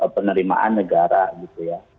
penerimaan negara gitu ya